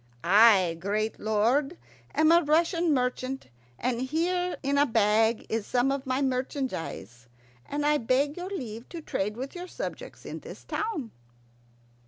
"I, great lord, am a Russian merchant, and here in a bag is some of my merchandise, and I beg your leave to trade with your subjects in this town."